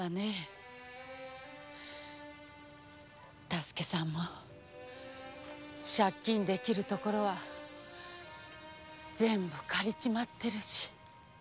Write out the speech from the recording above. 太助さんも借金できるところは全部借りちまってるし。